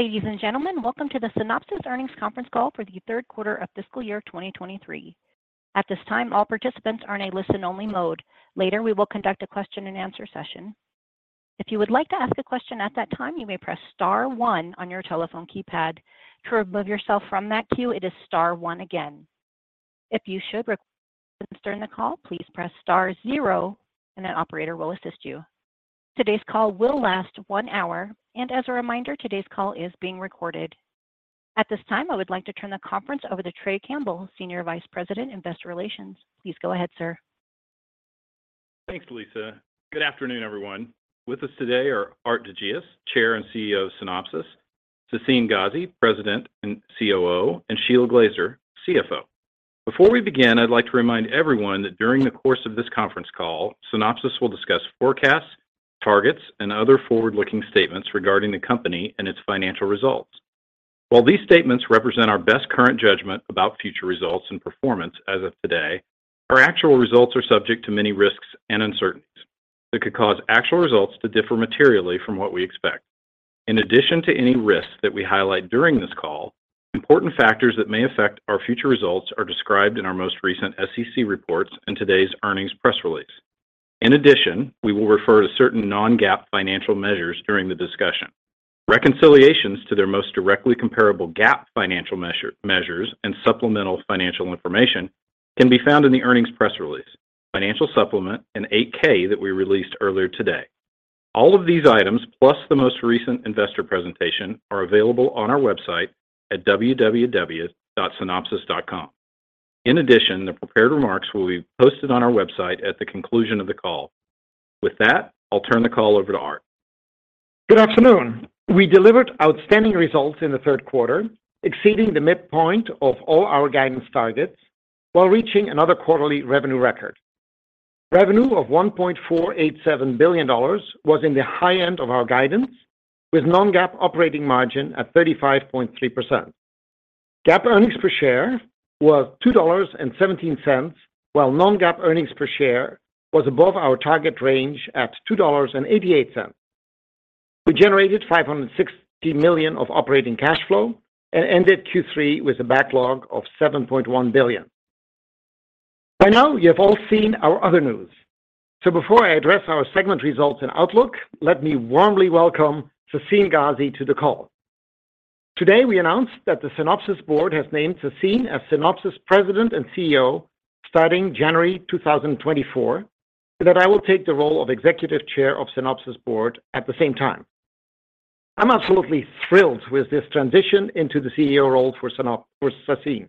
Ladies and gentlemen, welcome to the Synopsys Earnings Conference Call for the Q3 of fiscal year 2023. At this time, all participants are in a listen-only mode. Later, we will conduct a question-and-answer session. If you would like to ask a question at that time, you may press star one on your telephone keypad. To remove yourself from that queue, it is star one again. If you should require during the call, please press star zero, and an operator will assist you. Today's call will last one hour, and as a reminder, today's call is being recorded. At this time, I would like to turn the conference over to Trey Campbell, Senior Vice President, Investor Relations. Please go ahead, sir. Thanks, Lisa. Good afternoon, everyone. With us today are Aart de Geus, Chair and CEO of Synopsys, Sassine Ghazi, President and COO, and Shelagh Glaser, CFO. Before we begin, I'd like to remind everyone that during the course of this conference call, Synopsys will discuss forecasts, targets, and other forward-looking statements regarding the company and its financial results. While these statements represent our best current judgment about future results and performance as of today, our actual results are subject to many risks and uncertainties that could cause actual results to differ materially from what we expect. In addition to any risks that we highlight during this call, important factors that may affect our future results are described in our most recent SEC reports and today's earnings press release. In addition, we will refer to certain non-GAAP financial measures during the discussion. Reconciliations to their most directly comparable GAAP financial measure, measures and supplemental financial information can be found in the earnings press release, financial supplement, and Form 8-K that we released earlier today. All of these items, plus the most recent investor presentation, are available on our website at www.synopsys.com. In addition, the prepared remarks will be posted on our website at the conclusion of the call. With that, I'll turn the call over to Aart. Good afternoon. We delivered outstanding results in the Q3, exceeding the midpoint of all our guidance targets while reaching another quarterly revenue record. Revenue of $1.487 billion was in the high end of our guidance, with non-GAAP operating margin at 35.3%. GAAP earnings per share was $2.17, while non-GAAP earnings per share was above our target range at $2.88. We generated $560 million of operating cash flow and ended Q3 with a backlog of $7.1 billion. By now, you have all seen our other news. Before I address our segment results and outlook, let me warmly welcome Sassine Ghazi to the call. Today, we announced that the Synopsys board has named Sassine as Synopsys President and CEO starting January 2024, and that I will take the role of Executive Chair of Synopsys board at the same time. I'm absolutely thrilled with this transition into the CEO role for Synopsys for Sassine.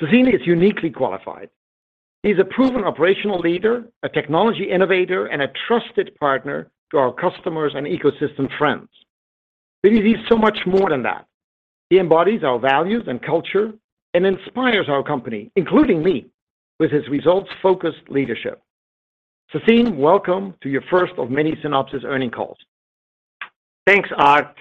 Sassine is uniquely qualified. He's a proven operational leader, a technology innovator, and a trusted partner to our customers and ecosystem friends. He's so much more than that. He embodies our values and culture and inspires our company, including me, with his results-focused leadership. Sassine, welcome to your first of many Synopsys earning calls. Thanks, Aart.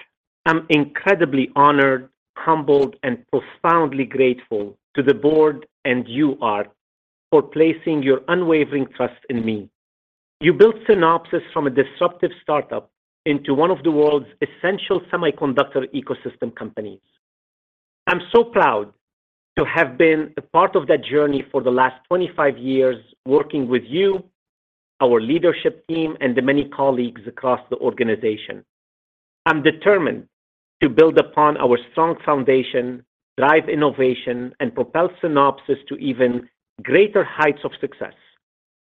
I'm incredibly honored, humbled, and profoundly grateful to the board and you, Aart, for placing your unwavering trust in me. You built Synopsys from a disruptive startup into one of the world's essential semiconductor ecosystem companies. I'm so proud to have been a part of that journey for the last 25 years, working with you, our leadership team, and the many colleagues across the organization. I'm determined to build upon our strong foundation, drive innovation, and propel Synopsys to even greater heights of success.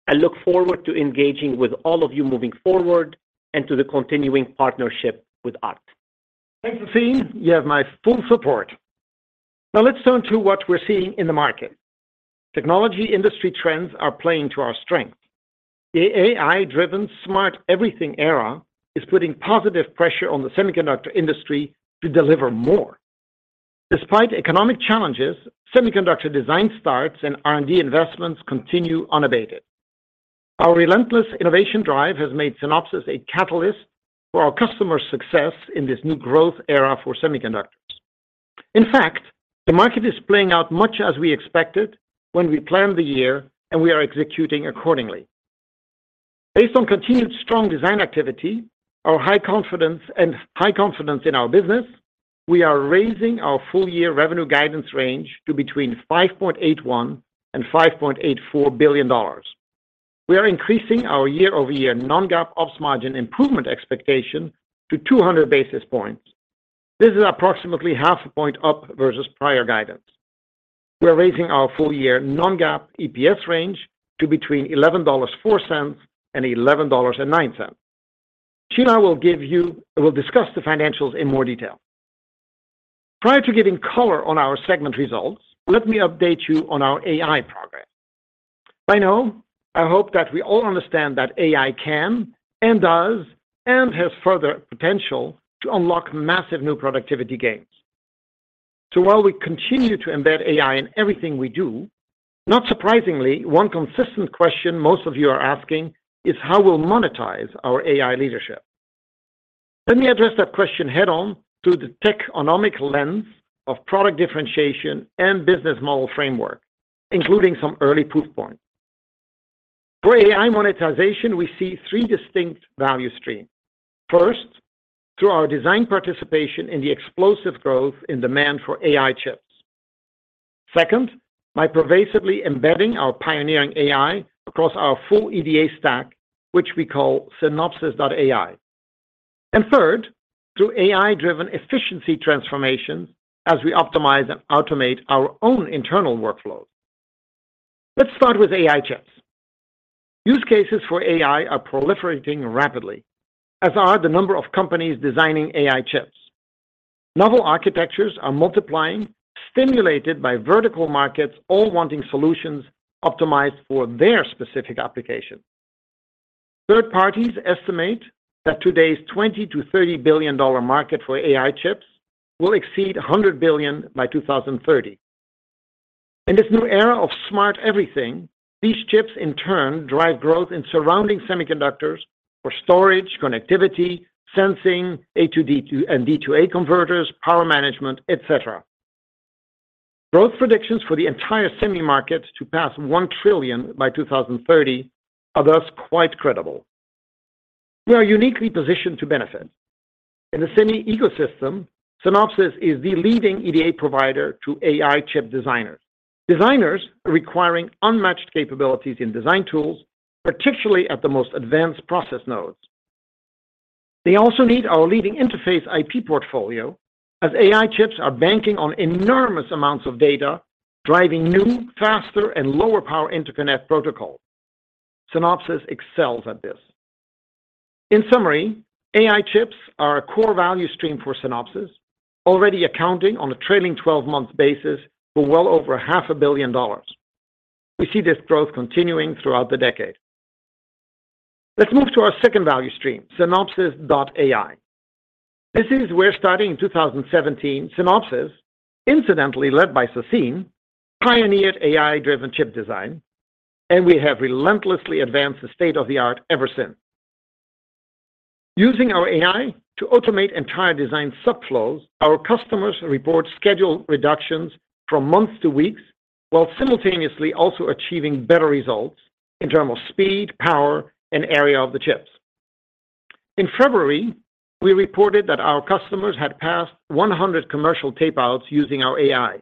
I look forward to engaging with all of you moving forward and to the continuing partnership with Aart. Thanks, Sassine. You have my full support. Now, let's turn to what we're seeing in the market. Technology industry trends are playing to our strength. The AI-driven Smart Everything era is putting positive pressure on the semiconductor industry to deliver more. Despite economic challenges, semiconductor design starts and R&D investments continue unabated. Our relentless innovation drive has made Synopsys a catalyst for our customers' success in this new growth era for semiconductors. In fact, the market is playing out much as we expected when we planned the year, and we are executing accordingly. Based on continued strong design activity, our high confidence and high confidence in our business, we are raising our full-year revenue guidance range to between $5.81 billion and $5.84 billion. We are increasing our year-over-year non-GAAP operating margin improvement expectation to 200 basis points. This is approximately half a point up versus prior guidance. We are raising our full-year non-GAAP EPS range to between $11.04 and $11.09. Shelagh will discuss the financials in more detail. Prior to giving color on our segment results, let me update you on our AI progress. By now, I hope that we all understand that AI can and does and has further potential to unlock massive new productivity gains. While we continue to embed AI in everything we do, not surprisingly, one consistent question most of you are asking is how we'll monetize our AI leadership. Let me address that question head-on through the techonomic lens of product differentiation and business model framework, including some early proof points. For AI monetization, we see three distinct value streams. First, through our design participation in the explosive growth in demand for AI chips. Second, by pervasively embedding our pioneering AI across our full EDA stack, which we call Synopsys.ai. Third, through AI-driven efficiency transformation as we optimize and automate our own internal workflows. Let's start with AI chips. Use cases for AI are proliferating rapidly, as are the number of companies designing AI chips. Novel architectures are multiplying, stimulated by vertical markets, all wanting solutions optimized for their specific application. Third parties estimate that today's $20 billion-$30 billion market for AI chips will exceed $100 billion by 2030. In this new era of Smart Everything, these chips, in turn, drive growth in surrounding semiconductors for storage, connectivity, sensing, A/D and D/A converters, power management, et cetera. Growth predictions for the entire semi market to pass $1 trillion by 2030 are thus quite credible. We are uniquely positioned to benefit. In the semi ecosystem, Synopsys is the leading EDA provider to AI chip designers. Designers are requiring unmatched capabilities in design tools, particularly at the most advanced process nodes. They also need our leading interface IP portfolio, as AI chips are banking on enormous amounts of data, driving new, faster, and lower power interconnect protocol. Synopsys excels at this. In summary, AI chips are a core value stream for Synopsys, already accounting on a trailing 12-month basis for well over $500 million. We see this growth continuing throughout the decade. Let's move to our second value stream, Synopsys.ai. This is where, starting in 2017, Synopsys, incidentally led by Sassine, pioneered AI-driven chip design, and we have relentlessly advanced the state-of-the-art ever since. Using our AI to automate entire design subflows, our customers report schedule reductions from months to weeks, while simultaneously also achieving better results in terms of speed, power, and area of the chips. In February, we reported that our customers had passed 100 commercial tapeouts using our AI.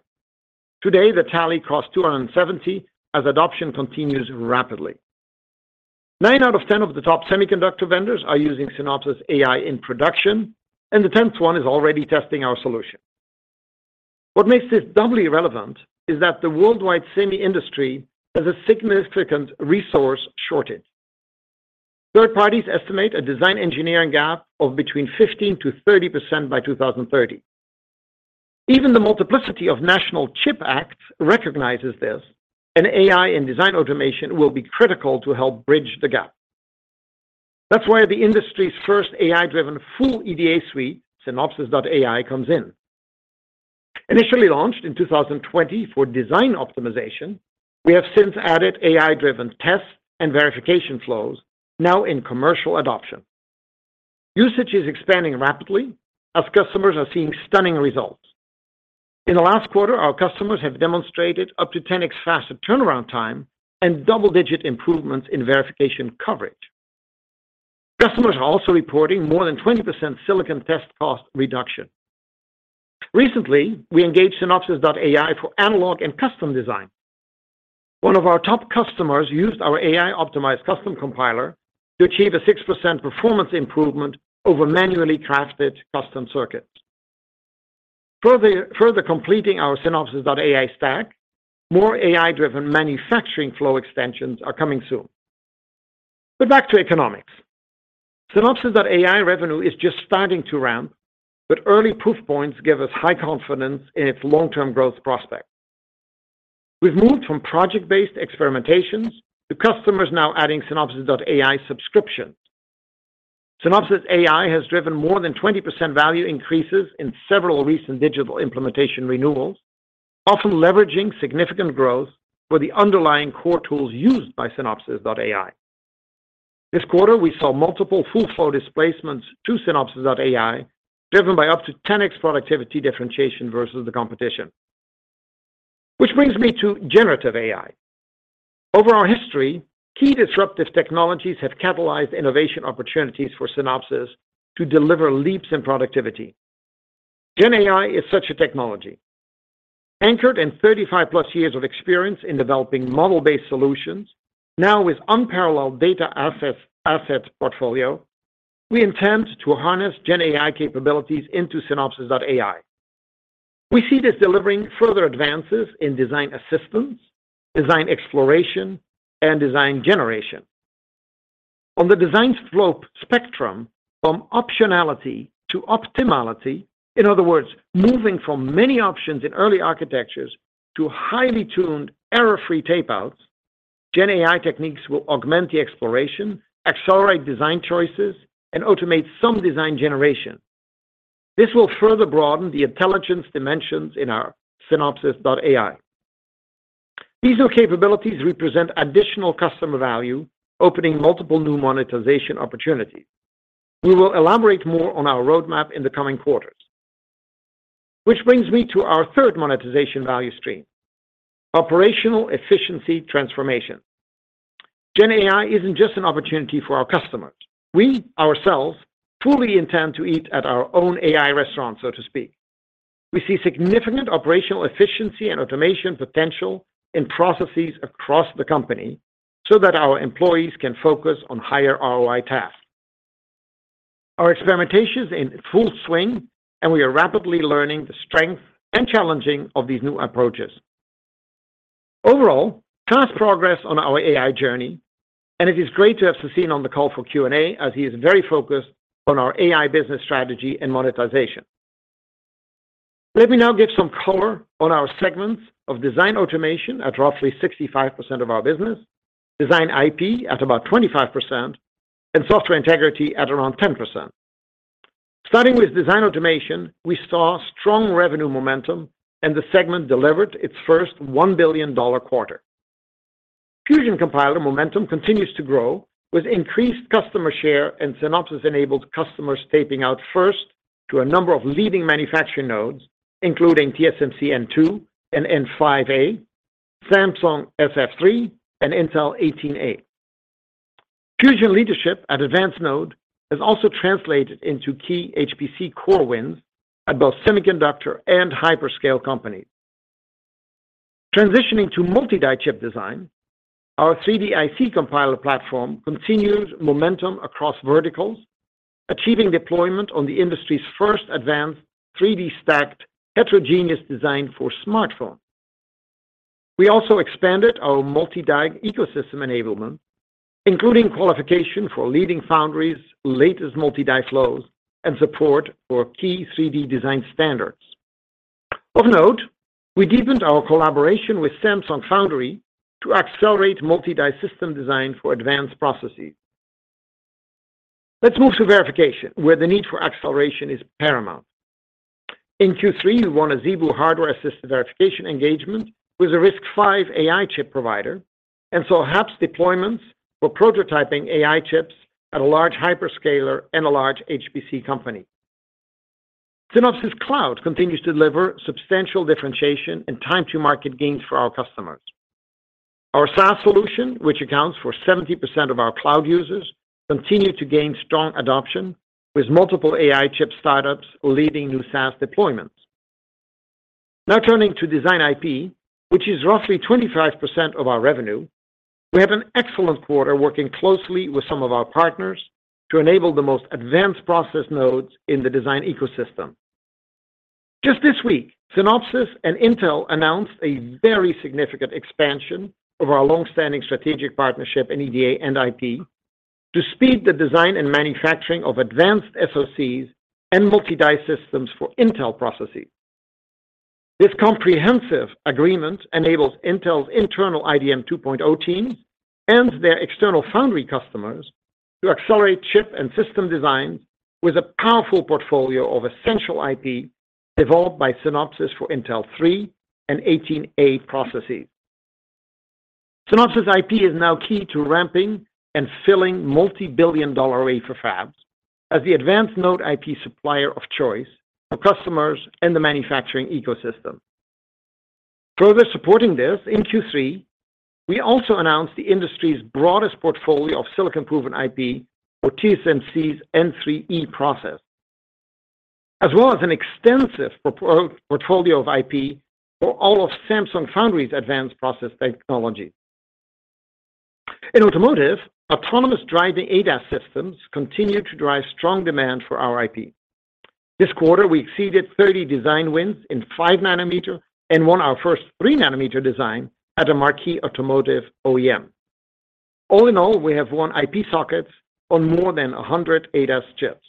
Today, the tally crossed 270 as adoption continues rapidly. Nine out of 10 of the top semiconductor vendors are using Synopsys.ai in production, and the 10th one is already testing our solution. What makes this doubly relevant is that the worldwide semi industry has a significant resource shortage. Third parties estimate a design engineering gap of between 15%-30% by 2030. Even the multiplicity of national CHIPS Acts recognizes this, and AI and design automation will be critical to help bridge the gap. That's why the industry's first AI-driven full EDA suite, Synopsys.ai, comes in. Initially launched in 2020 for design optimization, we have since added AI-driven tests and verification flows now in commercial adoption. Usage is expanding rapidly as customers are seeing stunning results. In the last quarter, our customers have demonstrated up to 10x faster turnaround time and double-digit improvements in verification coverage. Customers are also reporting more than 20% silicon test cost reduction. Recently, we engaged Synopsys.ai for analog and custom design. One of our top customers used our AI-optimized Custom Compiler to achieve a 6% performance improvement over manually crafted custom circuits. Further, further completing our Synopsys.ai stack, more AI-driven manufacturing flow extensions are coming soon. Back to economics. Synopsys.ai revenue is just starting to ramp, early proof points give us high confidence in its long-term growth prospect. We've moved from project-based experimentations to customers now adding Synopsys.ai subscription. Synopsys.ai has driven more than 20% value increases in several recent digital implementation renewals, often leveraging significant growth for the underlying core tools used by Synopsys.ai. This quarter, we saw multiple full flow displacements to Synopsys.ai, driven by up to 10x productivity differentiation versus the competition. Brings me to Generative AI. Over our history, key disruptive technologies have catalyzed innovation opportunities for Synopsys to deliver leaps in productivity. GenAI is such a technology. Anchored in 35 plus years of experience in developing model-based solutions, now with unparalleled data assets, assets portfolio, we intend to harness GenAI capabilities into Synopsys.ai. We see this delivering further advances in design assistance, design exploration, and design generation. On the design slope spectrum, from optionality to optimality, in other words, moving from many options in early architectures to highly tuned, error-free tapeouts, GenAI techniques will augment the exploration, accelerate design choices, and automate some design generation. This will further broaden the intelligence dimensions in our Synopsys.ai. These new capabilities represent additional customer value, opening multiple new monetization opportunities. We will elaborate more on our roadmap in the coming quarters.... Which brings me to our third monetization value stream: operational efficiency transformation. GenAI isn't just an opportunity for our customers. We ourselves fully intend to eat at our own AI restaurant, so to speak. We see significant operational efficiency and automation potential in processes across the company, so that our employees can focus on higher ROI tasks. Our experimentation is in full swing, and we are rapidly learning the strength and challenging of these new approaches. Overall, fast progress on our AI journey, and it is great to have Sassine on the call for Q&A, as he is very focused on our AI business strategy and monetization. Let me now give some color on our segments of Design Automation at roughly 65% of our business, Design IP at about 25%, and Software Integrity at around 10%. Starting with Design Automation, we saw strong revenue momentum, and the segment delivered its first $1 billion quarter. Fusion Compiler momentum continues to grow, with increased customer share and Synopsys-enabled customers taping out first to a number of leading manufacturing nodes, including TSMC N2 and N5A, Samsung SF3, and Intel 18A. Fusion leadership at advanced node has also translated into key HPC core wins at both semiconductor and hyperscale companies. Transitioning to multi-die chip design, our 3DIC Compiler platform continued momentum across verticals, achieving deployment on the industry's first advanced 3D stacked heterogeneous design for smartphone. We also expanded our multi-die ecosystem enablement, including qualification for leading foundries, latest multi-die flows, and support for key 3D design standards. Of note, we deepened our collaboration with Samsung Foundry to accelerate multi-die system design for advanced processes. Let's move to verification, where the need for acceleration is paramount. In Q3, we won a ZeBu hardware-assisted verification engagement with a RISC-V AI chip provider, and saw HAPS deployments for prototyping AI chips at a large hyperscaler and a large HPC company. Synopsys Cloud continues to deliver substantial differentiation and time-to-market gains for our customers. Our SaaS solution, which accounts for 70% of our cloud users, continued to gain strong adoption, with multiple AI chip startups leading new SaaS deployments. Turning to Design IP, which is roughly 25% of our revenue, we had an excellent quarter working closely with some of our partners to enable the most advanced process nodes in the design ecosystem. Just this week, Synopsys and Intel announced a very significant expansion of our long-standing strategic partnership in EDA and IP to speed the design and manufacturing of advanced SoCs and multi-die systems for Intel processes. This comprehensive agreement enables Intel's internal IDM 2.0 team and their external foundry customers to accelerate chip and system design with a powerful portfolio of essential IP developed by Synopsys for Intel 3 and 18A processes. Synopsys IP is now key to ramping and filling multi-billion dollar wafer fabs as the advanced node IP supplier of choice for customers and the manufacturing ecosystem. Further supporting this, in Q3, we also announced the industry's broadest portfolio of silicon-proven IP for TSMC's N3E process, as well as an extensive portfolio of IP for all of Samsung Foundry's advanced process technologies. In automotive, autonomous driving ADAS systems continue to drive strong demand for our IP. This quarter, we exceeded 30 design wins in 5 nm and won our first 3 nm design at a marquee automotive OEM. All in all, we have won IP sockets on more than 100 ADAS chips.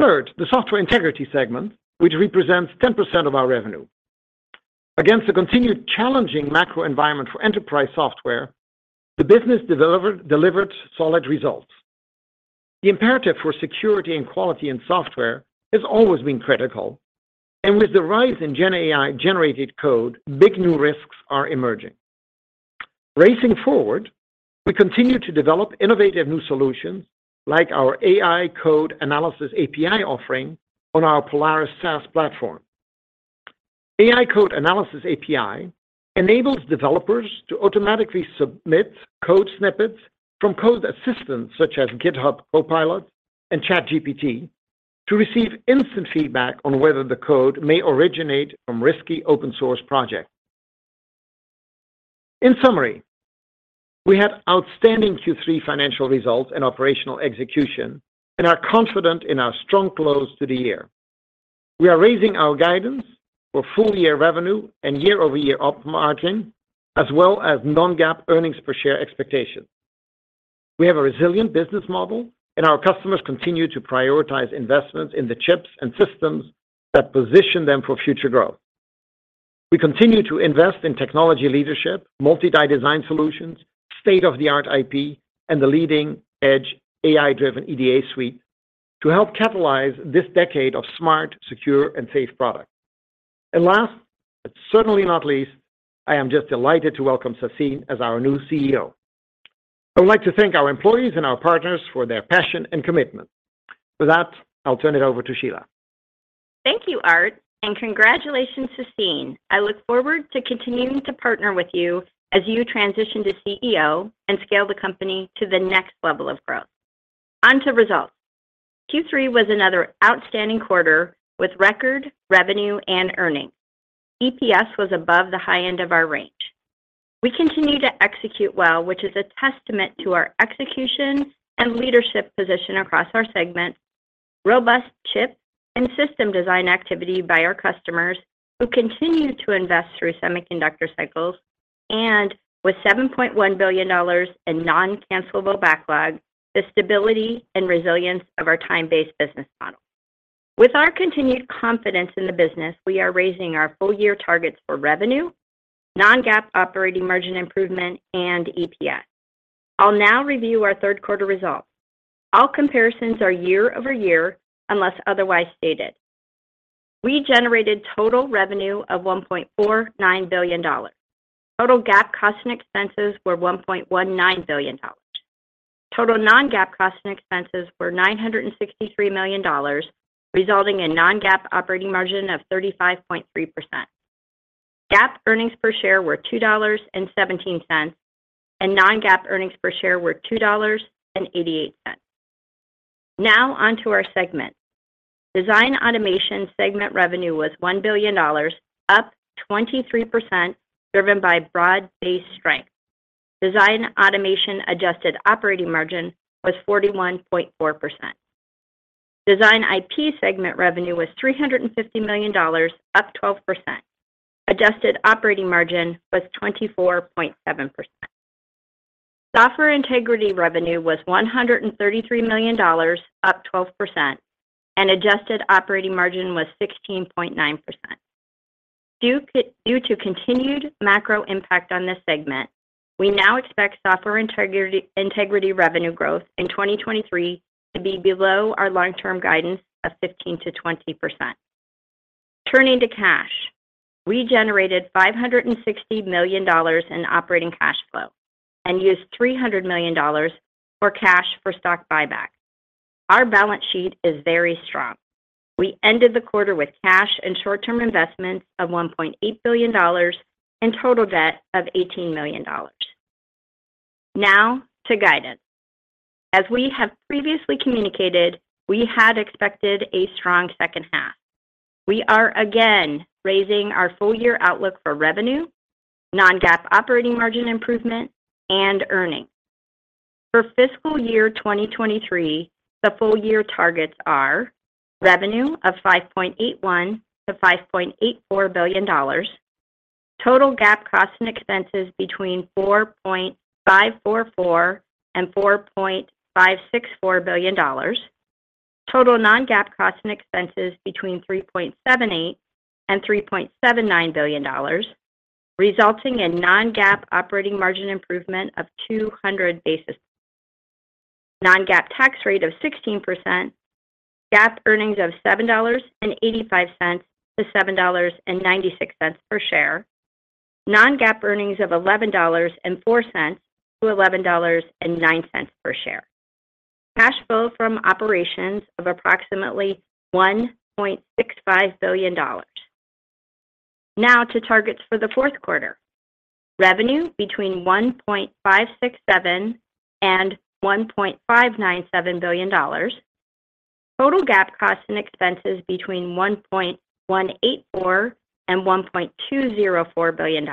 Third, the Software Integrity segment, which represents 10% of our revenue. Against a continued challenging macro environment for enterprise software, the business delivered solid results. The imperative for security and quality in software has always been critical, and with the rise in GenAI-generated code, big new risks are emerging. Racing forward, we continue to develop innovative new solutions, like our AI Code Analysis API offering on our Polaris SaaS platform. AI Code Analysis API enables developers to automatically submit code snippets from code assistants, such as GitHub Copilot and ChatGPT, to receive instant feedback on whether the code may originate from risky open source project. In summary, we had outstanding Q3 financial results and operational execution and are confident in our strong close to the year. We are raising our guidance for full-year revenue and year-over-year op margin, as well as non-GAAP earnings per share expectation. We have a resilient business model, and our customers continue to prioritize investments in the chips and systems that position them for future growth. We continue to invest in technology leadership, multi-die design solutions, state-of-the-art IP, and the leading-edge AI-driven EDA suite to help catalyze this decade of smart, secure, and safe products. Last, but certainly not least, I am just delighted to welcome Sassine as our new CEO. I would like to thank our employees and our partners for their passion and commitment. With that, I'll turn it over to Shelagh. Thank you, Aart, and congratulations, Sassine. I look forward to continuing to partner with you as you transition to CEO and scale the company to the next level of growth. On to results. Q3 was another outstanding quarter with record revenue and earnings. EPS was above the high end of our range. We continue to execute well, which is a testament to our execution and leadership position across our segments, robust chip and system design activity by our customers, who continue to invest through semiconductor cycles, and with $7.1 billion in non-cancellable backlog, the stability and resilience of our time-based business model. With our continued confidence in the business, we are raising our full year targets for revenue, non-GAAP operating margin improvement, and EPS. I'll now review our Q3 results. All comparisons are year-over-year, unless otherwise stated. We generated total revenue of $1.49 billion. Total GAAP costs and expenses were $1.19 billion. Total non-GAAP costs and expenses were $963 million, resulting in non-GAAP operating margin of 35.3%. GAAP earnings per share were $2.17, and non-GAAP earnings per share were $2.88. Now, on to our segments. Design Automation segment revenue was $1 billion, up 23%, driven by broad-based strength. Design Automation adjusted operating margin was 41.4%. Design IP segment revenue was $350 million, up 12%. Adjusted operating margin was 24.7%. Software Integrity revenue was $133 million, up 12%, and adjusted operating margin was 16.9%. Due to continued macro impact on this segment, we now expect Software Integrity revenue growth in 2023 to be below our long-term guidance of 15%-20%. Turning to cash, we generated $560 million in operating cash flow and used $300 million for cash for stock buyback. Our balance sheet is very strong. We ended the quarter with cash and short-term investments of $1.8 billion, and total debt of $18 million. Now, to guidance. As we have previously communicated, we had expected a strong H2. We are again raising our full-year outlook for revenue, non-GAAP operating margin improvement, and earnings. For fiscal year 2023, the full year targets are: revenue of $5.81 billion-$5.84 billion, total GAAP costs and expenses between $4.544 billion and $4.564 billion, total non-GAAP costs and expenses between $3.78 billion and $3.79 billion, resulting in non-GAAP operating margin improvement of 200 basis points. Non-GAAP tax rate of 16%. GAAP earnings of $7.85-$7.96 per share. Non-GAAP earnings of $11.04-$11.09 per share. Cash flow from operations of approximately $1.65 billion. To targets for the Q4. Revenue between $1.567 billion and $1.597 billion. Total GAAP costs and expenses between $1.184 billion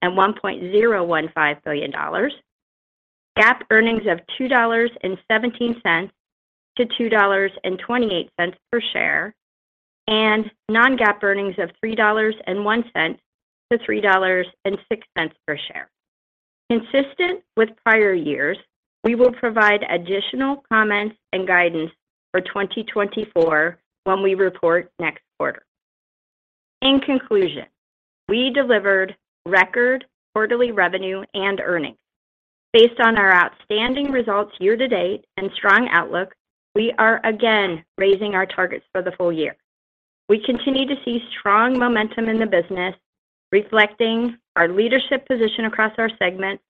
and $1.204 billion. Total non-GAAP costs and expenses between $1.005 billion and $1.015 billion. GAAP earnings of $2.17-$2.28 per share, and non-GAAP earnings of $3.01 to $3.06 per share. Consistent with prior years, we will provide additional comments and guidance for 2024 when we report next quarter. In conclusion, we delivered record quarterly revenue and earnings. Based on our outstanding results year to date and strong outlook, we are again raising our targets for the full year. We continue to see strong momentum in the business, reflecting our leadership position across our segments,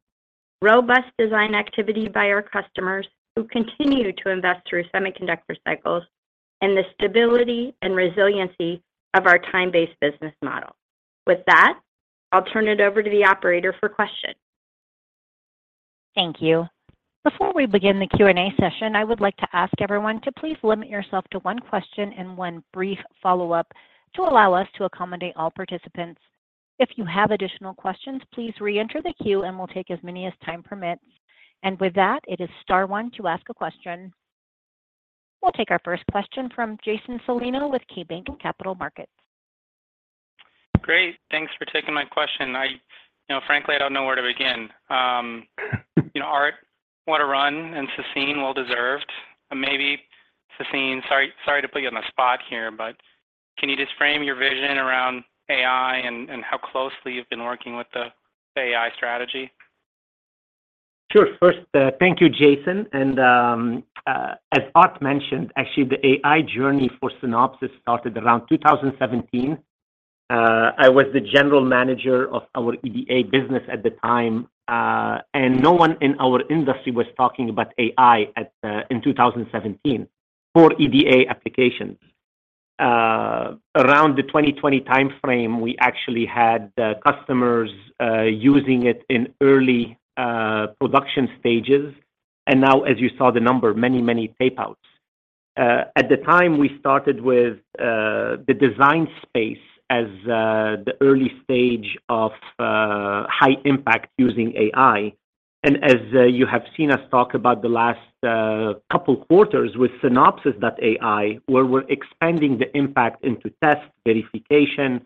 robust design activity by our customers, who continue to invest through semiconductor cycles, and the stability and resiliency of our time-based business model. With that, I'll turn it over to the operator for questions. Thank you. Before we begin the Q&A session, I would like to ask everyone to please limit yourself to one question and one brief follow-up to allow us to accommodate all participants. If you have additional questions, please reenter the queue, and we'll take as many as time permits. With that, it is star one to ask a question. We'll take our first question from Jason Celino with KeyBanc Capital Markets. Great. Thanks for taking my question. I, you know, frankly, I don't know where to begin. You know, Aart, what a run, and Sassine, well deserved. Maybe Sassine, sorry, sorry to put you on the spot here, but can you just frame your vision around AI and, and how closely you've been working with the AI strategy? Sure. First, thank you, Jason. As Aart mentioned, actually, the AI journey for Synopsys started around 2017. I was the general manager of our EDA business at the time, and no one in our industry was talking about AI in 2017 for EDA applications. Around the 2020 time frame, we actually had the customers using it in early production stages, and now, as you saw the number, many, many tapeouts. At the time, we started with the design space as the early stage of high impact using AI. As you have seen us talk about the last couple quarters with Synopsys.ai, where we're expanding the impact into test verification,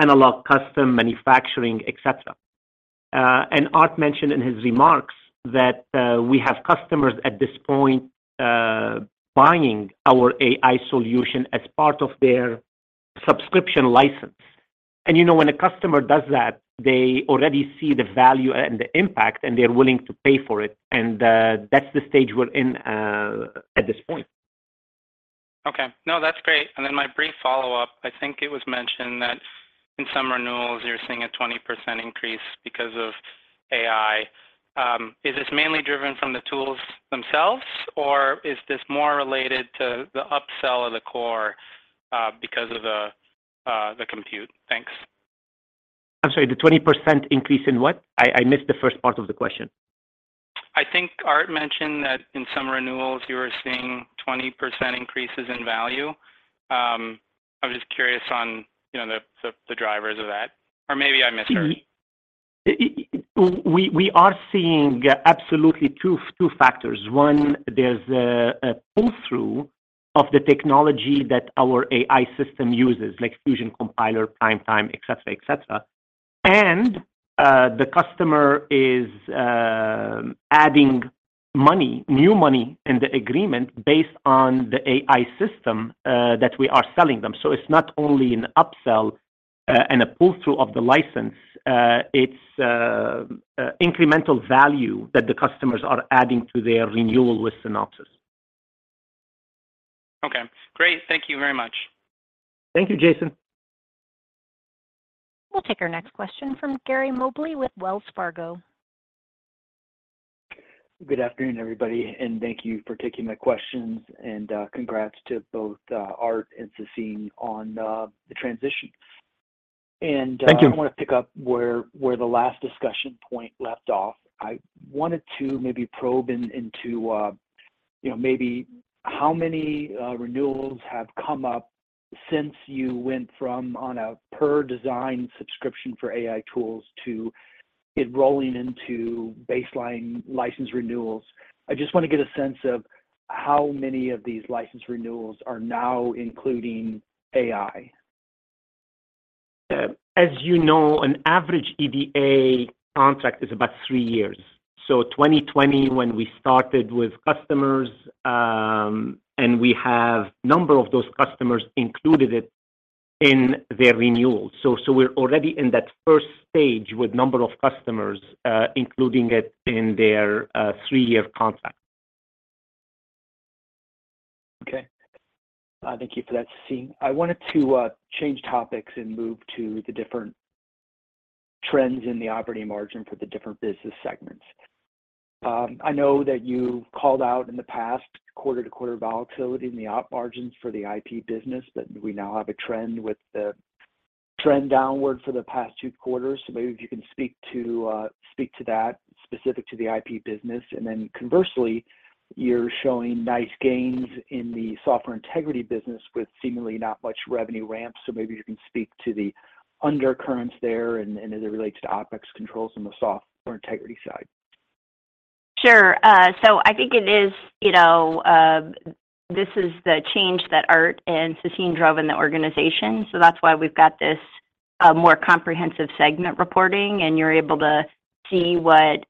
analog, custom, manufacturing, et cetera. Aart mentioned in his remarks that we have customers at this point buying our AI solution as part of their subscription license. You know, when a customer does that, they already see the value and the impact, and they're willing to pay for it, and that's the stage we're in at this point. Okay. No, that's great. My brief follow-up, I think it was mentioned that in some renewals you're seeing a 20% increase because of AI. Is this mainly driven from the tools themselves, or is this more related to the upsell of the core because of the compute? Thanks. I'm sorry, the 20% increase in what? I, I missed the first part of the question. I think Aart mentioned that in some renewals you were seeing 20% increases in value. I was just curious on, you know, the drivers of that, or maybe I misheard. We are seeing absolutely two, two factors. One, there's a pull-through of the technology that our AI system uses, like Fusion Compiler, PrimeTime, et cetera, et cetera. The customer is adding money, new money in the agreement based on the AI system that we are selling them. It's not only an upsell and a pull-through of the license, it's incremental value that the customers are adding to their renewal with Synopsys. Okay, great. Thank you very much. Thank you, Jason. We'll take our next question from Gary Mobley with Wells Fargo. Good afternoon, everybody, and thank you for taking my questions, and, congrats to both, Aart and Sassine on, the transition. Thank you. I want to pick up where, where the last discussion point left off. I wanted to maybe probe into, you know, maybe how many renewals have come up since you went from on a per design subscription for AI tools to it rolling into baseline license renewals. I just want to get a sense of how many of these license renewals are now including AI. As you know, an average EDA contract is about three years. 2020, when we started with customers, and we have number of those customers included it in their renewal. So we're already in that first stage with number of customers, including it in their three-year contract. Okay. Thank you for that, Sassine. I wanted to change topics and move to the different trends in the operating margin for the different business segments. I know that you called out in the past quarter-to-quarter volatility in the op margins for the IP business, but we now have a trend with the trend downward for the past two quarters. Maybe if you can speak to, speak to that, specific to the IP business. Then conversely, you're showing nice gains in the Software Integrity business with seemingly not much revenue ramp. Maybe you can speak to the undercurrents there and, and as it relates to OpEx controls on the Software Integrity side. Sure. So I think it is, you know, this is the change that Aart and Sassine drove in the organization, so that's why we've got this, more comprehensive segment reporting, and you're able to see what,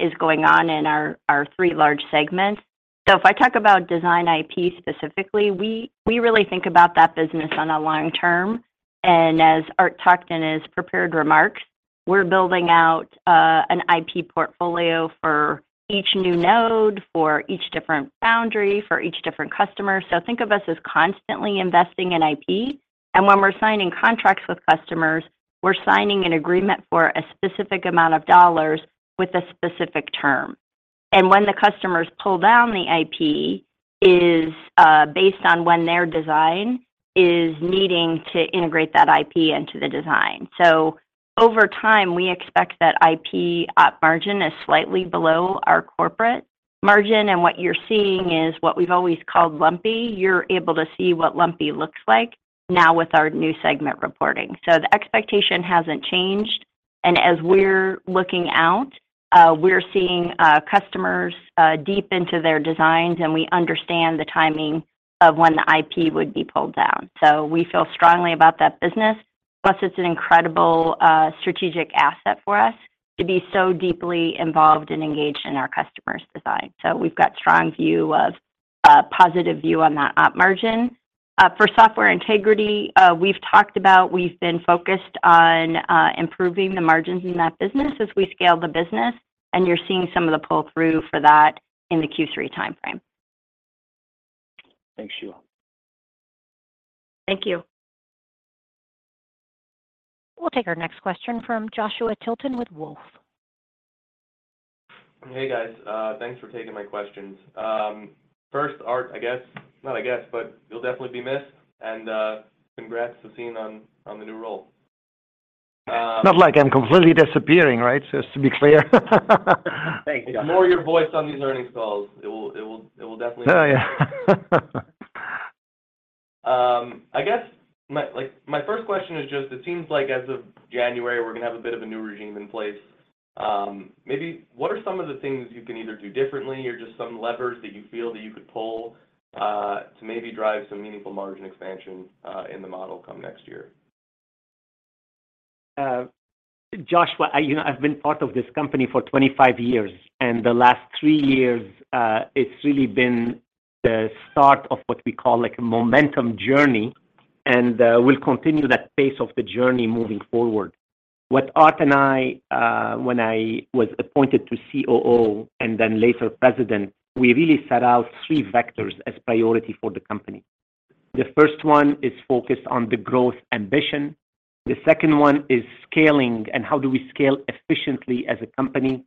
is going on in our, our three large segments. If I talk about Design IP specifically, we, we really think about that business on a long term. As Aart talked in his prepared remarks, we're building out, an IP portfolio for each new node, for each different foundry, for each different customer. Think of us as constantly investing in IP, and when we're signing contracts with customers, we're signing an agreement for a specific amount of dollars with a specific term. When the customers pull down the IP, is, based on when their design is needing to integrate that IP into the design. Over time, we expect that IP op margin is slightly below our corporate margin, and what you're seeing is what we've always called lumpy. You're able to see what lumpy looks like now with our new segment reporting. The expectation hasn't changed, and as we're looking out, we're seeing customers deep into their designs, and we understand the timing of when the IP would be pulled down. We feel strongly about that business, plus it's an incredible strategic asset for us to be so deeply involved and engaged in our customers' design. We've got strong view of... a positive view on that op margin. For Software Integrity, we've talked about, we've been focused on improving the margins in that business as we scale the business, and you're seeing some of the pull-through for that in the Q3 timeframe. Thanks, Shelagh. Thank you. We'll take our next question from Joshua Tilton with Wolfe Research. Hey, guys. Thanks for taking my questions. First, Aart, I guess, not I guess, but you'll definitely be missed, and congrats, Sassine, on, on the new role. It's not like I'm completely disappearing, right? Just to be clear. Thanks, Joshua. Miss more your voice on these earnings calls. It will, it will, it will definitely. Oh, yeah. I guess, like, my first question is just it seems like as of January, we're going to have a bit of a new regime in place. Maybe what are some of the things you can either do differently or just some levers that you feel that you could pull, to maybe drive some meaningful margin expansion, in the model come next year? Joshua, you know, I've been part of this company for 25 years, and the last three years, it's really been the start of what we call, like, a momentum journey, and we'll continue that pace of the journey moving forward. What Aart and I, when I was appointed to COO and then later President, we really set out three vectors as priority for the company. The first one is focused on the growth ambition. The second one is scaling and how do we scale efficiently as a company.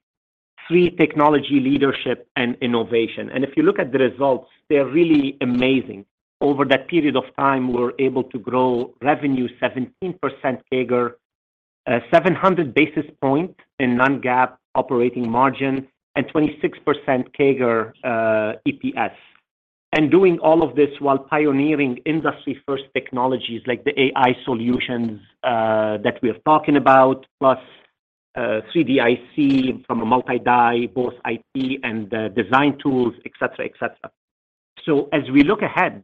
Three, technology, leadership and innovation. And if you look at the results, they're really amazing. Over that period of time, we were able to grow revenue 17% CAGR, 700 basis point in non-GAAP operating margin, and 26% CAGR, EPS. Doing all of this while pioneering industry first technologies like the AI solutions that we are talking about, plus 3DIC from a multi-die, both IP and the design tools, et cetera, et cetera. As we look ahead,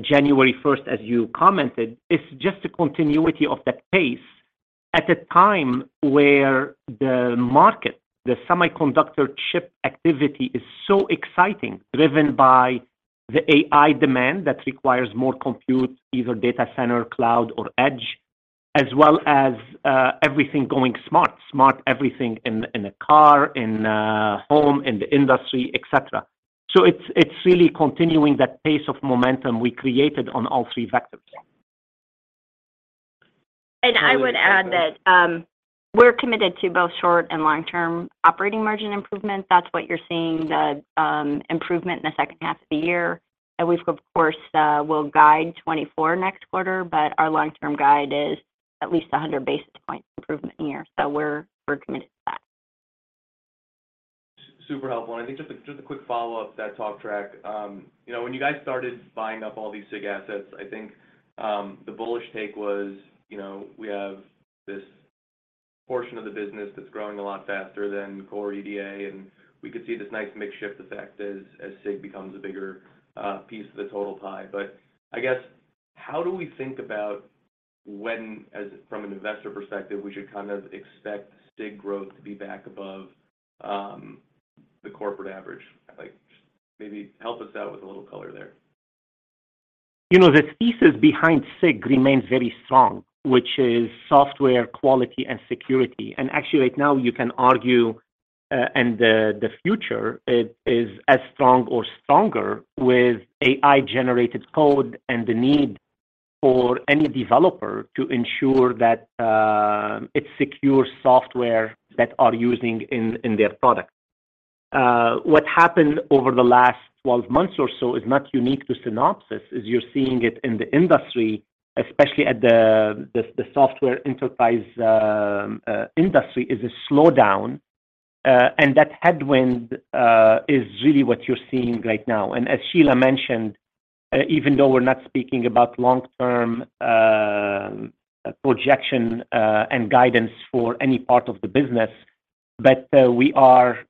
January 1st, as you commented, it's just a continuity of that pace at a time where the market, the semiconductor chip activity is so exciting, driven by the AI demand that requires more compute, either data center, cloud or edge, as well as everything going smart. Smart Everything in, in a car, in a home, in the industry, et cetera. It's, it's really continuing that pace of momentum we created on all three vectors. I would add that we're committed to both short and long-term operating margin improvement. That's what you're seeing, the improvement in the H2 of the year. We of course, will guide 2024 next quarter, but our long-term guide is at least 100 basis points improvement a year. We're, we're committed to that. Super helpful. I think just a quick follow-up to that talk track. You know, when you guys started buying up all these SIG assets, I think, the bullish take was, you know, we have this portion of the business that's growing a lot faster than the core EDA, and we could see this nice mix shift effect as SIG becomes a bigger piece of the total pie. I guess, how do we think about when, as from an investor perspective, we should kind of expect SIG growth to be back above the corporate average? Like, maybe help us out with a little color there. You know, the thesis behind SIG remains very strong, which is software quality and security. Actually, right now, you can argue, and the, the future is, is as strong or stronger with AI-generated code and the need for any developer to ensure that it's secure software that are using in, in their product. What happened over the last 12 months or so is not unique to Synopsys, as you're seeing it in the industry, especially at the, the, the software enterprise industry, is a slowdown, and that headwind, is really what you're seeing right now. As Shelagh mentioned, even though we're not speaking about long-term projection, and guidance for any part of the business, but, we are...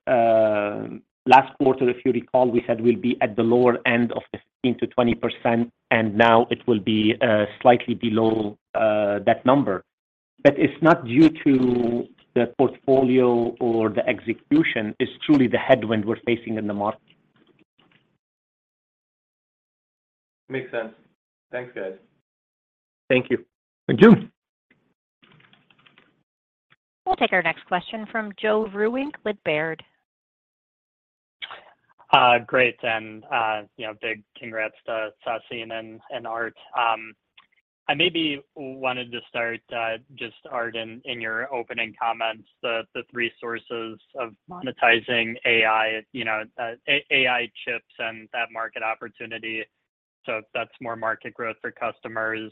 Last quarter, if you recall, we said we'll be at the lower end of 15%-20%, and now it will be, slightly below, that number. It's not due to the portfolio or the execution, it's truly the headwind we're facing in the market. Makes sense. Thanks, guys. Thank you. Thank you. We'll take our next question from Joe Vruwink with Baird. Great, and, you know, big congrats to Sassine and Aart. I maybe wanted to start, just Aart, in, in your opening comments, the three sources of monetizing AI, you know, AI chips and that market opportunity. That's more market growth for customers,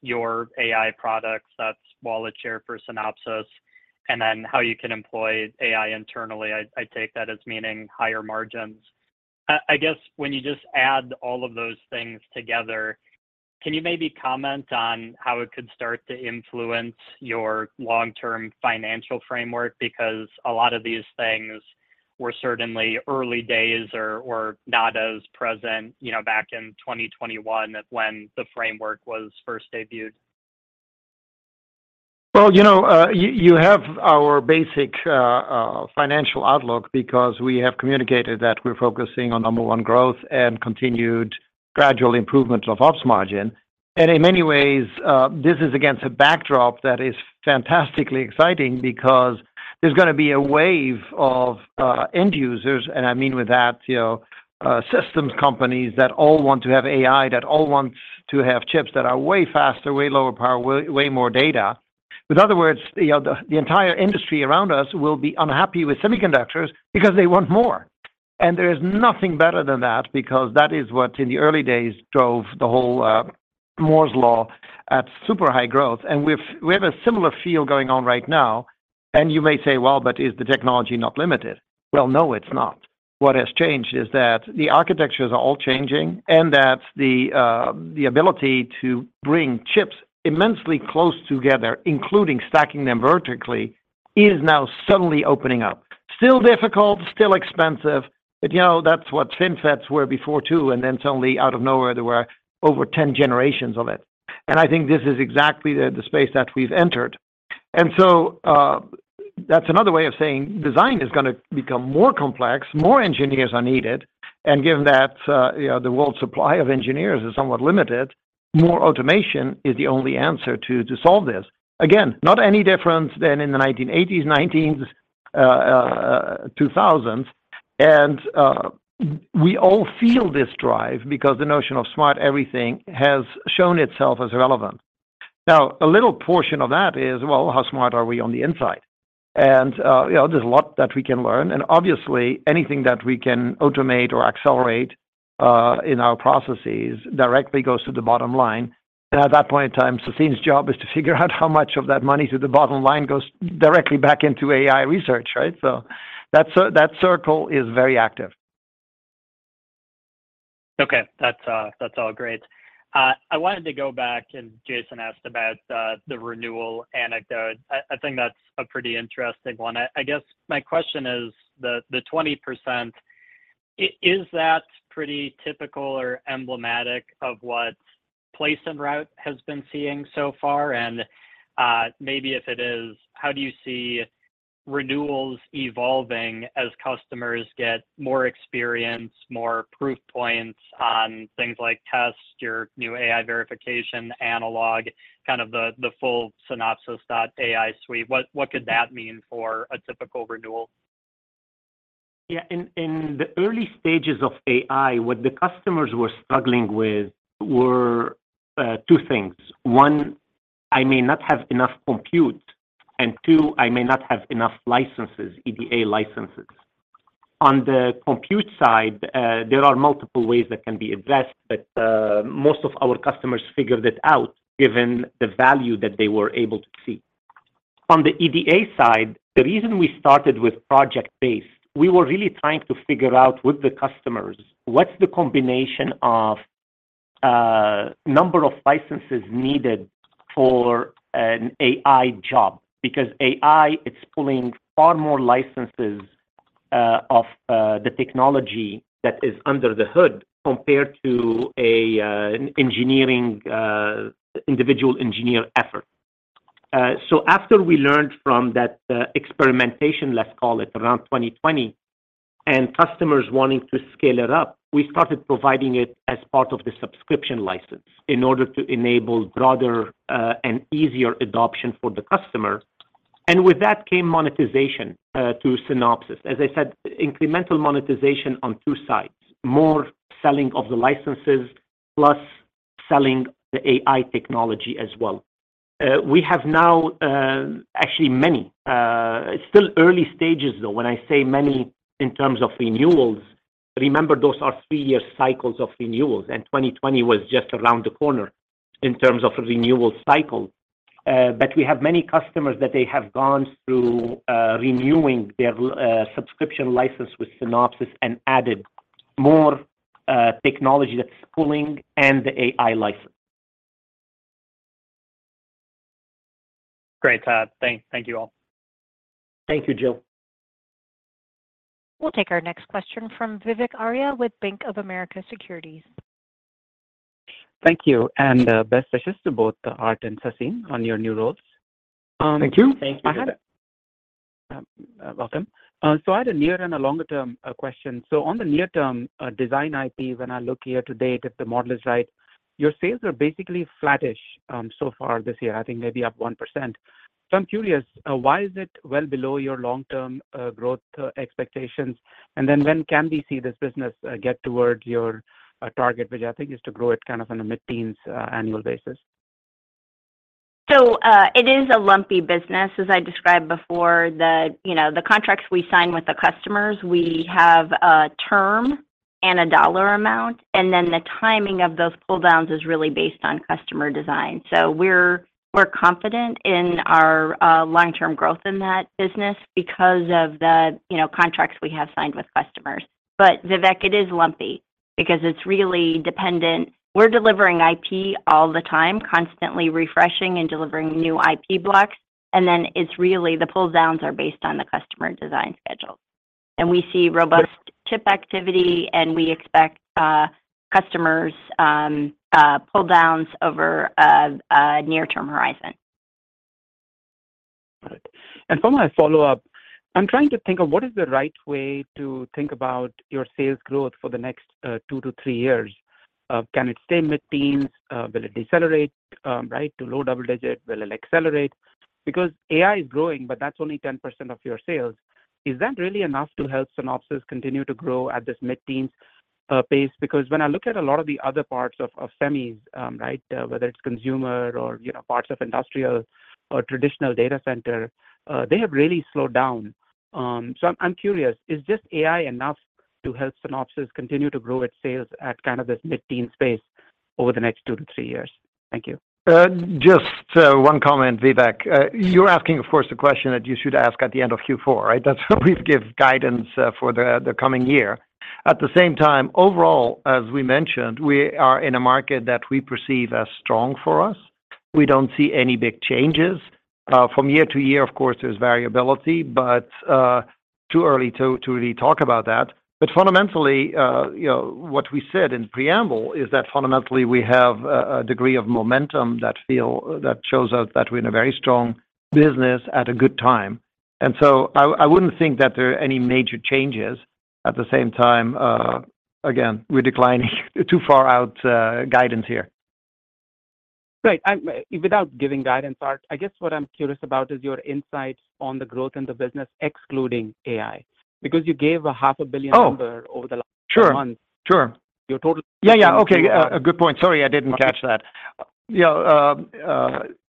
your AI products, that's wallet share for Synopsys, and then how you can employ AI internally. I take that as meaning higher margins. I guess when you just add all of those things together, can you maybe comment on how it could start to influence your long-term financial framework? Because a lot of these things were certainly early days or, or not as present, you know, back in 2021 when the framework was first debuted. Well, you know, you, you have our basic, financial outlook because we have communicated that we're focusing on number one growth and continued gradual improvement of operating margin. In many ways, this is against a backdrop that is fantastically exciting because there's going to be a wave of, end users, and I mean with that, you know, systems companies that all want to have AI, that all want to have chips that are way faster, way lower power, way, way more data. In other words, you know, the, the entire industry around us will be unhappy with semiconductors because they want more. There is nothing better than that because that is what, in the early days, drove the whole, Moore's Law at super high growth, and we have a similar feel going on right now. You may say, "Well, but is the technology not limited?" Well, no, it's not. What has changed is that the architectures are all changing, and that the ability to bring chips immensely close together, including stacking them vertically, is now suddenly opening up. Still difficult, still expensive, but, you know, that's what FinFETs were before, too, and then suddenly, out of nowhere, there were over 10 generations of it. I think this is exactly the space that we've entered. That's another way of saying design is going to become more complex, more engineers are needed, and given that, you know, the world's supply of engineers is somewhat limited, more automation is the only answer to solve this. Again, not any different than in the 1980s, 1990s, 2000s, and we all feel this drive because the notion of Smart Everything has shown itself as relevant. Now, a little portion of that is, well, how smart are we on the inside? You know, there's a lot that we can learn, and obviously, anything that we can automate or accelerate in our processes directly goes to the bottom line. At that point in time, Sassine's job is to figure out how much of that money to the bottom line goes directly back into AI research, right? That circle is very active. Okay. That's, that's all great. I wanted to go back, Jason asked about the, the renewal anecdote. I, I think that's a pretty interesting one. I, I guess my question is the, the 20%, is that pretty typical or emblematic of what place and route has been seeing so far? Maybe if it is, how do you see renewals evolving as customers get more experience, more proof points on things like test, your new AI verification, analog, kind of the, the full Synopsys.ai suite? What, what could that mean for a typical renewal? Yeah. In, in the early stages of AI, what the customers were struggling with were two things: One, I may not have enough compute, and two, I may not have enough licenses, EDA licenses. On the compute side, there are multiple ways that can be addressed, but most of our customers figured it out given the value that they were able to see. On the EDA side, the reason we started with project-based, we were really trying to figure out with the customers, what's the combination of number of licenses needed for an AI job? Because AI, it's pulling far more licenses of the technology that is under the hood compared to a engineering individual engineer effort. After we learned from that experimentation, let's call it around 2020, and customers wanting to scale it up, we started providing it as part of the subscription license in order to enable broader and easier adoption for the customer. With that came monetization to Synopsys. As I said, incremental monetization on two sides: more selling of the licenses, plus selling the AI technology as well. We have now actually many, still early stages, though, when I say many in terms of renewals. Remember, those are three-year cycles of renewals, and 2020 was just around the corner in terms of renewal cycle. We have many customers that they have gone through renewing their subscription license with Synopsys and added more technology that's pulling and the AI license. Great. Thank you all. Thank you, Joe. We'll take our next question from Vivek Arya with Bank of America Securities. Thank you, and best wishes to both Aart and Sassine on your new roles. Thank you. Thank you. Welcome. I had a near and a longer term question. On the near term, Design IP, when I look here today, if the model is right, your sales are basically flattish so far this year, I think maybe up 1%. I'm curious why is it well below your long-term growth expectations? Then when can we see this business get towards your target, which I think is to grow it kind of on a mid-teens annual basis? It is a lumpy business. As I described before, the, you know, the contracts we sign with the customers, we have a term and a dollar amount, and then the timing of those pull downs is really based on customer design. We're, we're confident in our long-term growth in that business because of the, you know, contracts we have signed with customers. Vivek, it is lumpy because it's really dependent. We're delivering IP all the time, constantly refreshing and delivering new IP blocks, and then it's really the pull downs are based on the customer design schedule.... and we see robust chip activity, and we expect, customers, pull downs over a near-term horizon. Right. For my follow-up, I'm trying to think of what is the right way to think about your sales growth for the next two to three years. Can it stay mid-teens? Will it decelerate, right, to low double digit? Will it accelerate? Because AI is growing, but that's only 10% of your sales. Is that really enough to help Synopsys continue to grow at this mid-teens pace? Because when I look at a lot of the other parts of SEMIs, right, whether it's consumer or, you know, parts of industrial or traditional data center, they have really slowed down. I'm curious, is this AI enough to help Synopsys continue to grow its sales at kind of this mid-teen space over the next two to three years? Thank you. Just one comment, Vivek. You're asking, of course, the question that you should ask at the end of Q4, right? That's when we give guidance for the coming year. At the same time, overall, as we mentioned, we are in a market that we perceive as strong for us. We don't see any big changes. From year to year, of course, there's variability, but too early to really talk about that. Fundamentally, you know, what we said in preamble is that fundamentally, we have a degree of momentum that shows us that we're in a very strong business at a good time. I wouldn't think that there are any major changes. At the same time, again, we're declining too far out guidance here. Right. without giving guidance, Aart, I guess what I'm curious about is your insights on the growth in the business, excluding AI, because you gave a $500 million- Oh! number over the last month. Sure, sure. Your total- Yeah, yeah. Okay, a good point. Sorry, I didn't catch that. You know,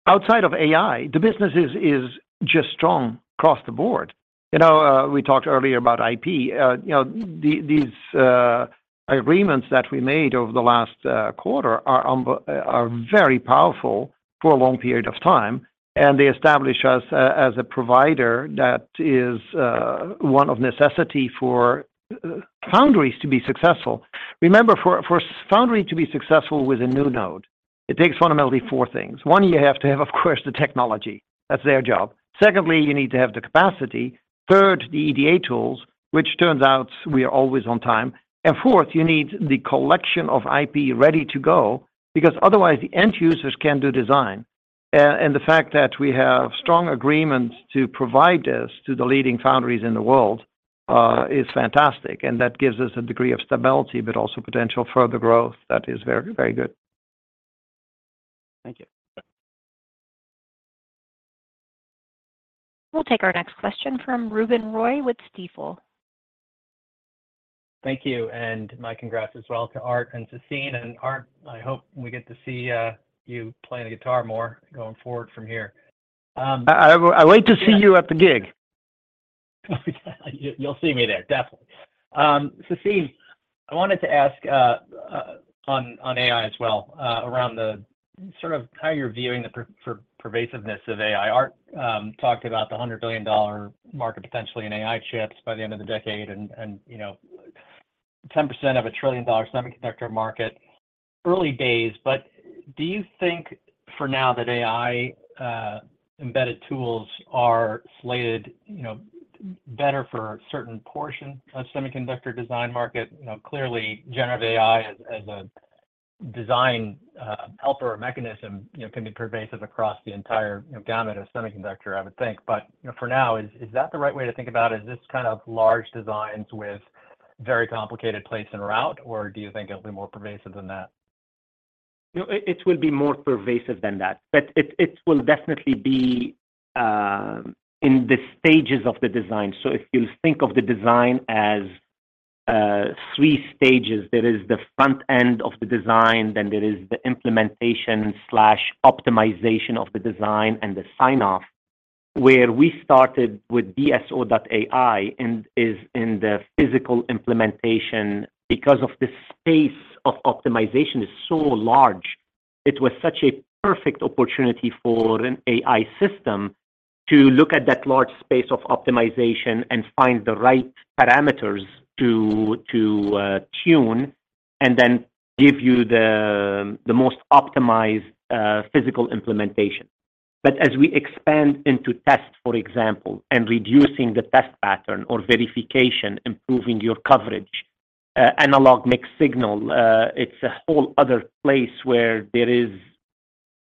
outside of AI, the business is, is just strong across the board. You know, we talked earlier about IP. You know, the, these agreements that we made over the last quarter are very powerful for a long period of time, and they establish us as a provider that is, one of necessity for foundries to be successful. Remember, for, for foundry to be successful with a new node, it takes fundamentally four things. One, you have to have, of course, the technology. That's their job. Second, you need to have the capacity. Third, the EDA tools, which turns out we are always on time. Fourth, you need the collection of IP ready to go, because otherwise, the end users can't do design. The fact that we have strong agreements to provide this to the leading foundries in the world, is fantastic, and that gives us a degree of stability, but also potential further growth. That is very, very good. Thank you. We'll take our next question from Ruben Roy with Stifel. Thank you, and my congrats as well to Aart and to Sassine. Aart, I hope we get to see you playing the guitar more going forward from here. I, I wait to see you at the gig. You'll see me there, definitely. Sassine, I wanted to ask on AI as well, around the sort of how you're viewing the pervasiveness of AI. Aart talked about the $100 billion market potentially in AI chips by the end of the decade and, you know, 10% of a $1 trillion semiconductor market. Early days, but do you think for now that AI embedded tools are slated, you know, better for a certain portion of semiconductor design market? You know, clearly, Generative AI as a design helper or mechanism, you know, can be pervasive across the entire gamut of semiconductor, I would think. You know, for now, is, is that the right way to think about it, is this kind of large designs with very complicated place and route, or do you think it'll be more pervasive than that? You know, it, it will be more pervasive than that, but it, it will definitely be, in the stages of the design. If you think of the design as, three stages, there is the front end of the design, then there is the implementation/optimization of the design, and the sign-off. Where we started with DSO.ai and is in the physical implementation, because of the space of optimization is so large, it was such a perfect opportunity for an AI system to look at that large space of optimization and find the right parameters to, to, tune, and then give you the, the most optimized, physical implementation. As we expand into test, for example, and reducing the test pattern or verification, improving your coverage, analog mixed signal, it's a whole other place where there is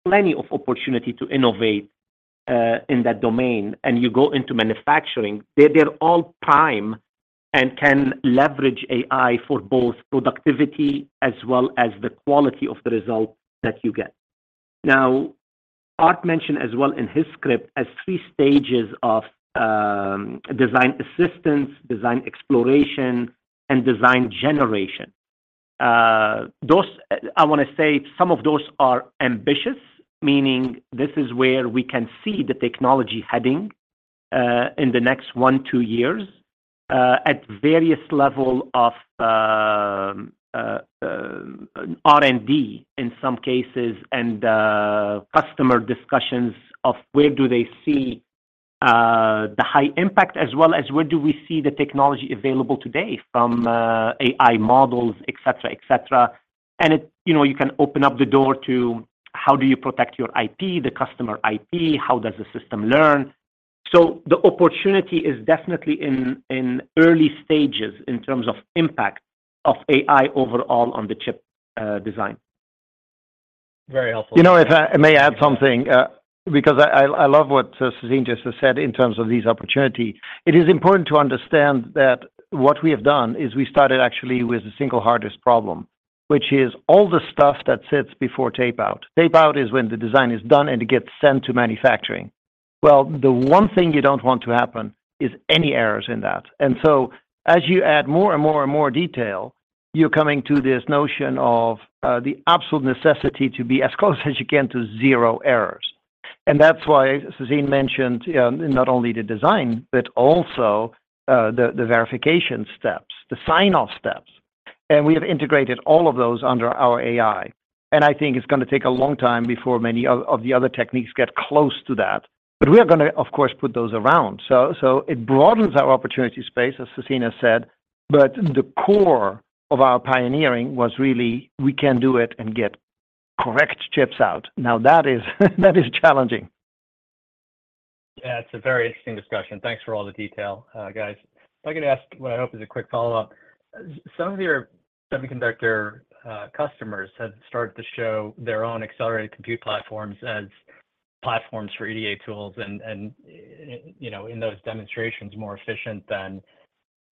plenty of opportunity to innovate in that domain, and you go into manufacturing. They're all prime and can leverage AI for both productivity as well as the quality of the result that you get. Aart mentioned as well in his script as three stages of design assistance, design exploration, and design generation. I want to say some of those are ambitious, meaning this is where we can see the technology heading in the next one, two years at various level of R&D in some cases, and customer discussions of where do they see, the high impact as well as where do we see the technology available today from AI models, et cetera, et cetera. And it, you know, you can open up the door to how do you protect your IP, the customer IP, how does the system learn? The opportunity is definitely in early stages in terms of impact of AI overall on the chip design Very helpful. You know, if I may add something, because I, I, I love what Sassine just has said in terms of this opportunity. It is important to understand that what we have done is we started actually with the single hardest problem, which is all the stuff that sits before tape-out. Tape-out is when the design is done, and it gets sent to manufacturing. Well, the one thing you don't want to happen is any errors in that. So as you add more and more and more detail, you're coming to this notion of the absolute necessity to be as close as you can to zero errors. That's why Sassine mentioned not only the design, but also the, the verification steps, the sign-off steps, and we have integrated all of those under our AI. I think it's gonna take a long time before many of the other techniques get close to that. We are gonna, of course, put those around. it broadens our opportunity space, as Sassine has said, but the core of our pioneering was really, we can do it and get correct chips out. that is challenging. Yeah, it's a very interesting discussion. Thanks for all the detail, guys. If I could ask what I hope is a quick follow-up. Some of your semiconductor customers have started to show their own accelerated compute platforms as platforms for EDA tools and, and, you know, in those demonstrations, more efficient than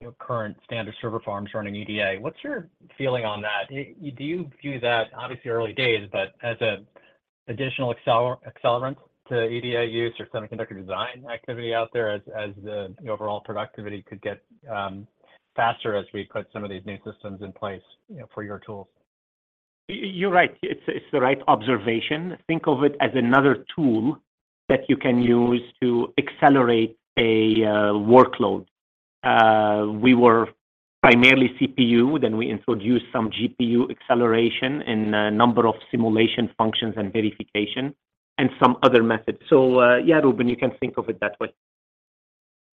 your current standard server farms running EDA. What's your feeling on that? Y- do you view that, obviously early days, but as an additional acceler- accelerant to EDA use or semiconductor design activity out there as, as the overall productivity could get faster as we put some of these new systems in place, you know, for your tools? You're right. It's the right observation. Think of it as another tool that you can use to accelerate a workload. We were primarily CPU, then we introduced some GPU acceleration in a number of simulation functions and verification and some other methods. Yeah, Ruben, you can think of it that way.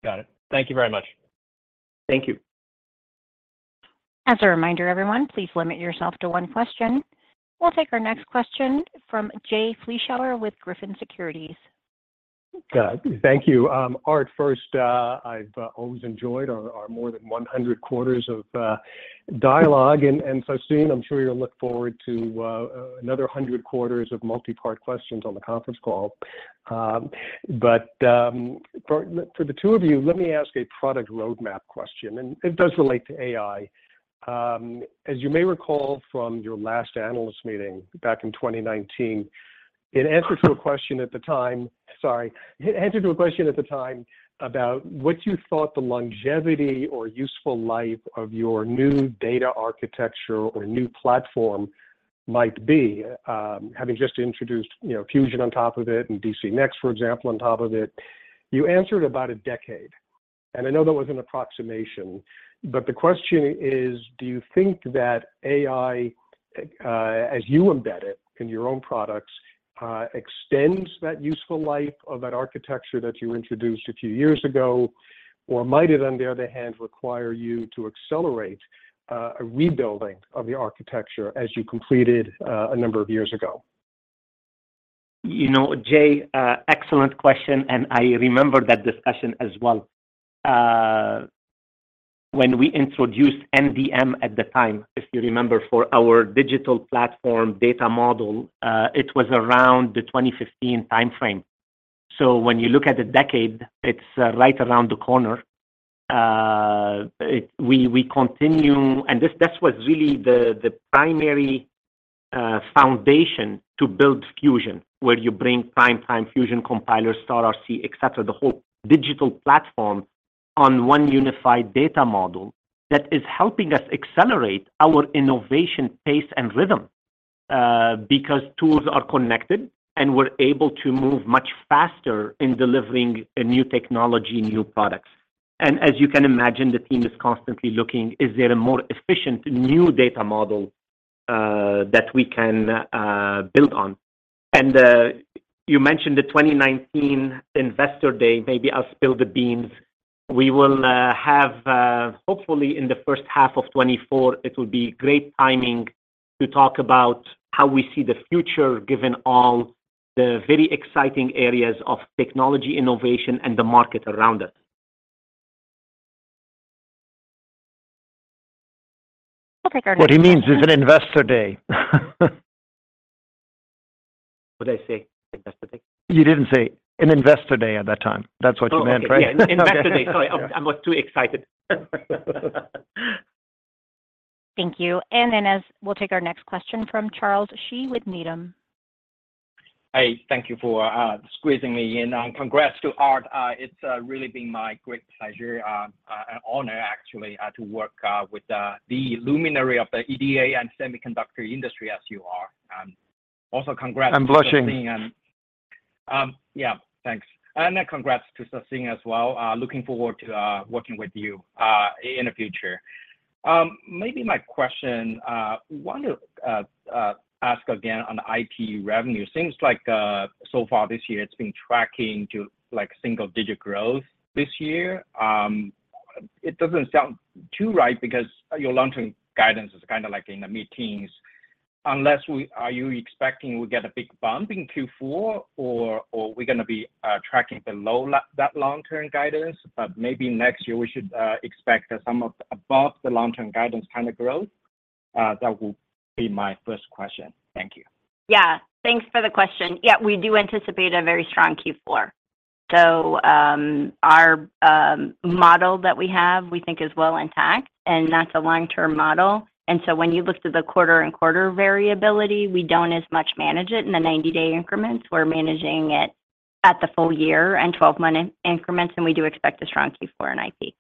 Got it. Thank you very much. Thank you. As a reminder, everyone, please limit yourself to one question. We'll take our next question from Jay Vleeschhouwer with Griffin Securities. Good. Thank you. Aart, first, I've always enjoyed our, our more than 100 quarters of dialogue, and Sassine, I'm sure you'll look forward to another 100 quarters of multi-part questions on the conference call. But, for the two of you, let me ask a product roadmap question, and it does relate to AI. As you may recall from your last analyst meeting back in 2019, in answer to a question at the time, sorry, answer to a question at the time about what you thought the longevity or useful life of your new data architecture or new platform might be, having just introduced, you know, Fusion on top of it and DC NXT, for example, on top of it, you answered about a decade. I know that was an approximation, but the question is. Do you think that AI, as you embed it in your own products, extends that useful life of that architecture that you introduced a few years ago? Might it, on the other hand, require you to accelerate a rebuilding of the architecture as you completed a number of years ago? You know, Jay, excellent question, and I remember that discussion as well. When we introduced NDM at the time, if you remember, for our digital platform data model, it was around the 2015 timeframe. When you look at the decade, it's right around the corner. It, we, we continue, and this, this was really the, the primary foundation to build Fusion, where you bring PrimeTime, Fusion Compiler, StarRC, et cetera, the whole digital platform on one unified data model that is helping us accelerate our innovation pace and rhythm, because tools are connected, and we're able to move much faster in delivering a new technology, new products. As you can imagine, the team is constantly looking, is there a more efficient new data model that we can build on? You mentioned the 2019 investor day. Maybe I'll spill the beans. We will have, hopefully, in the H1 of 2024, it will be great timing to talk about how we see the future, given all the very exciting areas of technology, innovation, and the market around us. I'll take our next- What he means is an investor day. What did I say? Investor day? You didn't say an investor day at that time. That's what you meant, right? Oh, okay. Yeah, investor day. Sorry, I was too excited. Thank you. As we'll take our next question from Charles Shi with Needham. Hey, thank you for squeezing me in, and congrats to Aart. It's really been my great pleasure and honor, actually, to work with the luminary of the EDA and semiconductor industry as you are. Also congrats- I'm blushing. Yeah, thanks. Congrats to Sassine as well. Looking forward to, working with you, in the future. Maybe my question, wanted to, ask again on the IP revenue. Seems like, so far this year, it's been tracking to, like, single-digit growth this year. It doesn't sound too right, because your long-term guidance is kind of like in the mid-teens. Unless we are you expecting we get a big bump in Q4, or we're gonna be tracking the low, long, that long-term guidance? Maybe next year we should expect some of above the long-term guidance kind of growth. That will be my first question. Thank you. Yeah. Thanks for the question. Yeah, we do anticipate a very strong Q4. Our model that we have, we think is well intact, and that's a long-term model. When you look to the quarter and quarter variability, we don't as much manage it in the 90-day increments. We're managing it at the full year and 12-month increments, and we do expect a strong Q4 in IP.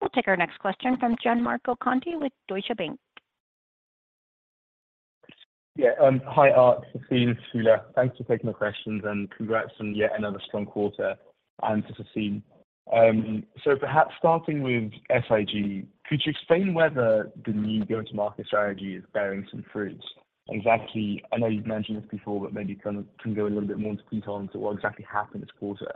We'll take our next question from Gianmarco Conti with Deutsche Bank. Yeah, Hi, Aart, Sassine, Shelagh. Thanks for taking my questions, and congrats on yet another strong quarter, and to Sassine. Perhaps starting with SIG, could you explain whether the new go-to-market strategy is bearing some fruits? Exactly, I know you've mentioned this before, but maybe kind of can go a little bit more into detail into what exactly happened this quarter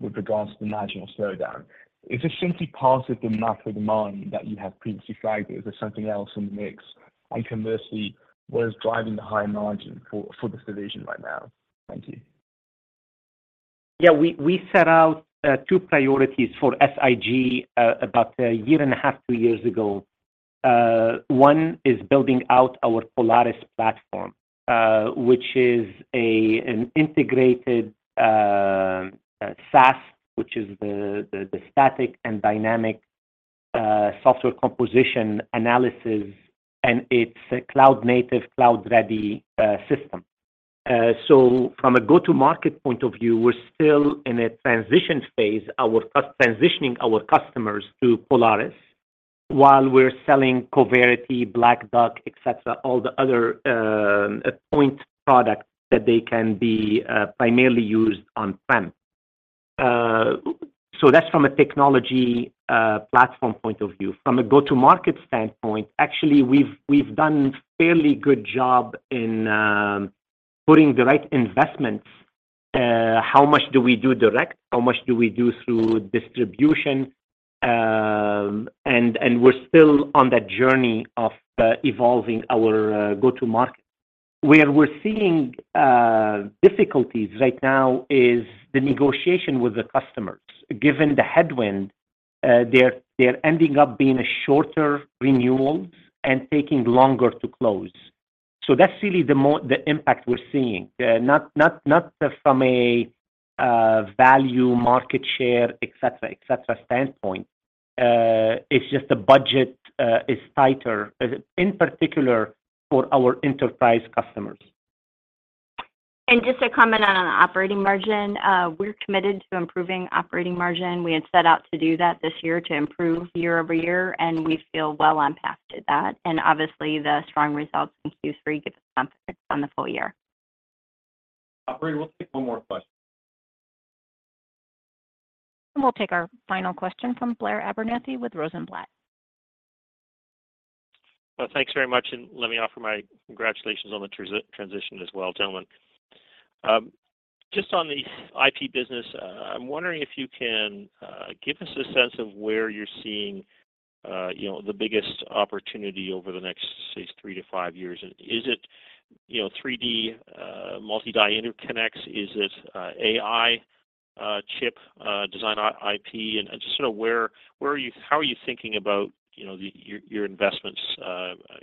with regards to the marginal slowdown. Is this simply part of the macro demand that you have previously flagged, or is there something else in the mix? Conversely, what is driving the high margin for this division right now? Thank you. Yeah, we, we set out two priorities for SIG about a year and a half, two years ago. One is building out our Polaris platform, which is an integrated SaaS, which is the static and dynamic software composition analysis, and it's a cloud native, cloud-ready system. So from a go-to-market point of view, we're still in a transition phase, transitioning our customers to Polaris, while we're selling Coverity, Black Duck, et cetera, all the other point products that they can be primarily used on-prem. So that's from a technology platform point of view. From a go-to-market standpoint, actually, we've done a fairly good job in putting the right investments. How much do we do direct? How much do we do through distribution? And we're still on that journey of evolving our go-to-market. Where we're seeing difficulties right now is the negotiation with the customers. Given the headwind, they're ending up being a shorter renewal and taking longer to close. That's really the more-- the impact we're seeing. Not just from a value, market share, et cetera, et cetera standpoint, it's just the budget is tighter in particular for our enterprise customers. Just to comment on the operating margin, we're committed to improving operating margin. We had set out to do that this year to improve year-over-year, and we feel well on path to that. Obviously, the strong results in Q3 give us confidence on the full year. Operator, we'll take one more question. We'll take our final question from Blair Abernethy with Rosenblatt. Well, thanks very much, and let me offer my congratulations on the transition as well, gentlemen. Just on the IP business, I'm wondering if you can give us a sense of where you're seeing, you know, the biggest opportunity over the next, say, three to five years. Is it, you know, 3D multi-die interconnects? Is it AI chip Design IP? Just sort of how are you thinking about, you know, your investments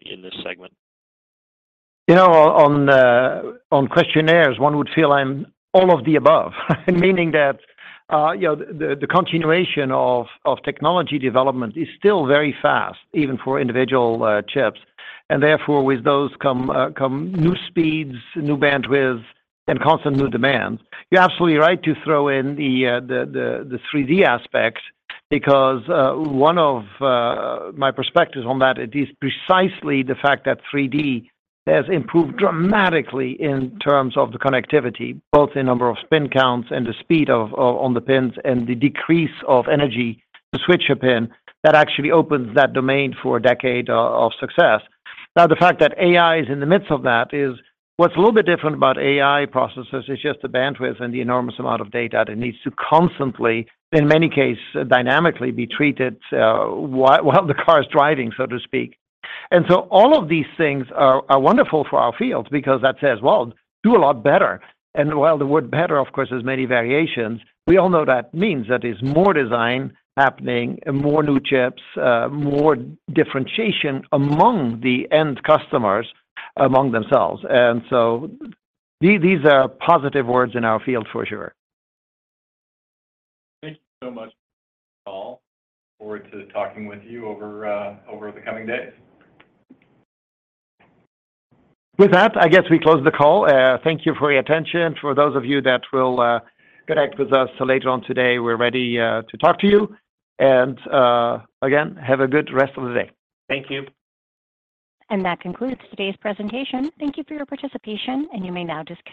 in this segment? You know, on, on questionnaires, one would feel I'm all of the above. Meaning that, you know, the, the continuation of, of technology development is still very fast, even for individual chips. Therefore, with those come, come new speeds, new bandwidth, and constant new demands. You're absolutely right to throw in the, the, the, the 3D aspects, because one of my perspectives on that, it is precisely the fact that 3D has improved dramatically in terms of the connectivity, both in number of spin counts and the speed of, of on the pins, and the decrease of energy to switch a pin that actually opens that domain for a decade of, of success. The fact that AI is in the midst of that is what's a little bit different about AI processors is just the bandwidth and the enormous amount of data that needs to constantly, in many cases, dynamically be treated, while the car is driving, so to speak. So all of these things are wonderful for our fields because that says, well, do a lot better. While the word better, of course, has many variations, we all know that means that there's more design happening and more new chips, more differentiation among the end customers among themselves. So these are positive words in our field for sure. Thank you so much all. Look forward to talking with you over, over the coming days. With that, I guess we close the call. Thank you for your attention. For those of you that will connect with us later on today, we're ready to talk to you. Again, have a good rest of the day. Thank you. That concludes today's presentation. Thank you for your participation, and you may now disconnect.